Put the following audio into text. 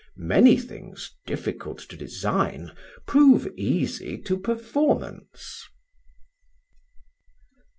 Many things difficult to design prove easy to performance."